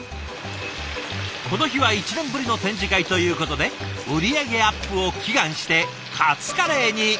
この日は１年ぶりの展示会ということで売り上げアップを祈願してカツカレーに！